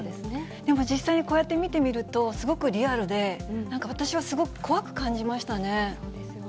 でも実際にこうやって見てみると、すごくリアルで、私はすごく怖く感じましたね。